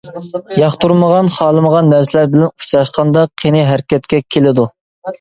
ياقتۇرمىغان-خالىمىغان نەرسىلەر بىلەن ئۇچراشقاندا قېنى ھەرىكەتكە كېلىدۇ.